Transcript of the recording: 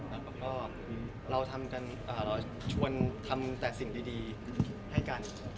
แล้วก็เราชวนทำแต่สิ่งดีให้กัน